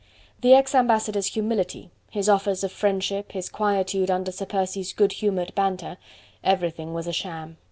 The ex ambassador's humility, his offers of friendship, his quietude under Sir Percy's good humoured banter, everything was a sham.